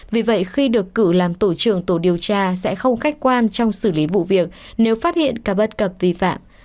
vì vậy khi được cử làm tổ trưởng tổ điều tra sẽ không khách quan trong xử lý vụ việc nếu phát hiện các bất cập vi phạm